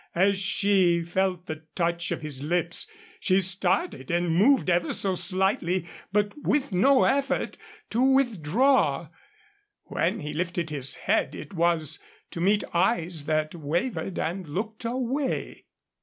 As she felt the touch of his lips, she started and moved ever so slightly, but with no effort to withdraw. When he lifted his head it was to meet eyes that wavered and looked away.